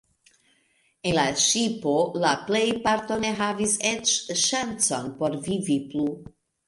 En la ŝipo la plejparto ne havis eĉ ŝancon por vivi plu.